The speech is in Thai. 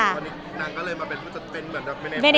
อันนี้นางก็เลยมาจะเป็นครับมั่ยไง